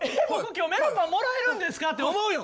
今日メロンパンもらえるんですかって思うよ。